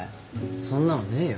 そんなのねえよ。